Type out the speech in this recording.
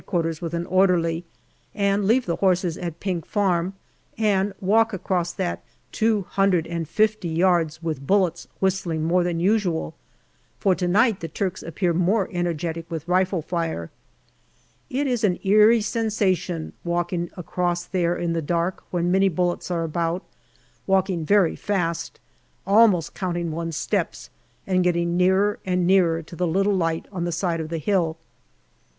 Q. with an orderly, and leave the horses at Pink Farm, and walk across that two hundred and fifty yards with bullets whistling more than usual, for to night the Turks appear more energetic with rifle fire. It is an eerie sensation, walking across there in the dark when many bullets are about walking very fast, almost counting one's steps, and getting nearer and nearer to the little light on the side of the hill.